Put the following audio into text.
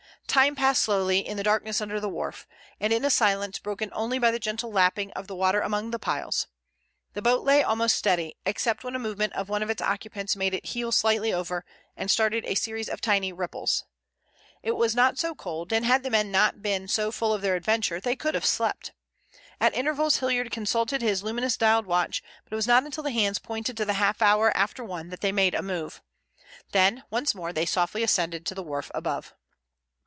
Time passed slowly in the darkness under the wharf, and in a silence broken only by the gentle lapping of the water among the piles. The boat lay almost steady, except when a movement of one of its occupants made it heel slightly over and started a series of tiny ripples. It was not cold, and had the men not been so full of their adventure they could have slept. At intervals Hilliard consulted his luminous dialed watch, but it was not until the hands pointed to the half hour after one that they made a move. Then once more they softly ascended to the wharf above.